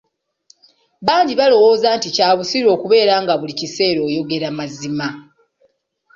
Bangi abalowooza nti kya busiru okubeera nga buli kiseera oyogera mazima.